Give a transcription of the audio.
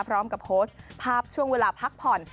พร้อมกับโพสต์ภาพช่วงเวลาพักผ่อน